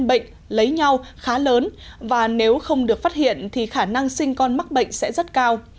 người mang gian bệnh lấy nhau khá lớn và nếu không được phát hiện thì khả năng sinh con mắc bệnh sẽ rất cao